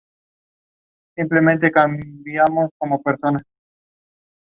Cápsula elipsoide u oblonga.